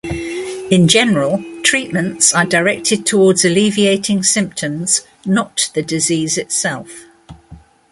In general, treatments are directed towards alleviating symptoms, not the disease itself.